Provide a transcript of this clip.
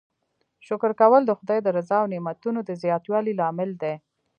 شکر کول د خدای د رضا او نعمتونو د زیاتوالي لامل دی.